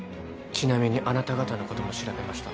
ちなみにあなた方のことも調べました。